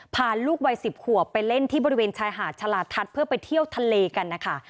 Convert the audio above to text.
พาลูกวัย๑๐ขวบไปเล่นที่บริเวณชายหาดฉลาดทัศน์เพื่อไปเที่ยวทะเลกันนะคะ